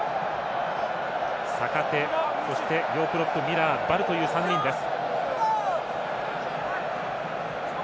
坂手そして、両プロップ、ミラーヴァルという３人です。